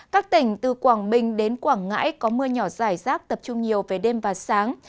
các tỉnh từ quảng bình đến quảng ngãi có mưa nhỏ rải rác tập trung nhiều về đêm và sáng